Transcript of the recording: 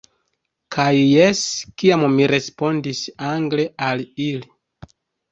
Kaj jes, kiam mi respondis angle al ili.